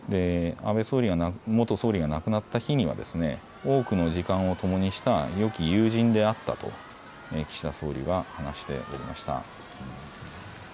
安倍元総理が亡くなった日には多くの時間をともにしたよき友人であったと岸田総理は話しておりました。